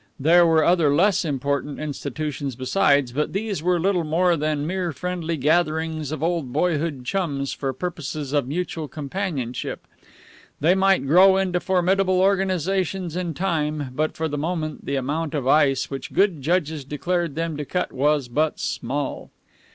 There were other less important institutions besides, but these were little more than mere friendly gatherings of old boyhood chums for purposes of mutual companionship. They might grow into formidable organizations in time, but for the moment the amount of ice which good judges declared them to cut was but small.